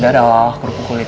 gak ada olah olah kerupuk kulit